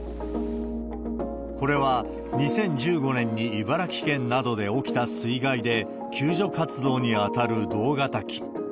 これは２０１５年に茨城県などで起きた水害で救助活動に当たる同型機。